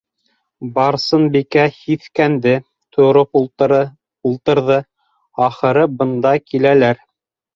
Барсынбикә һиҫкәнде, тороп ултырҙы, ахыры, бында киләләр.